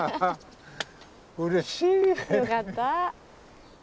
うれしい！よかった。